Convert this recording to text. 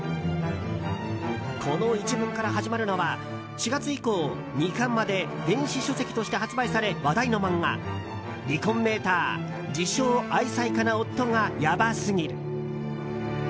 この一文から始まるのは４月以降、２巻まで電子書籍として発売され話題の漫画「離婚メーター“自称”愛妻家な夫がヤバすぎる」。